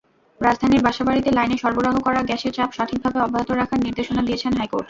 রাজধানীর বাসাবাড়িতে লাইনে সরবরাহ করা গ্যাসের চাপ সঠিকভাবে অব্যাহত রাখার নির্দেশনা দিয়েছেন হাইকোর্ট।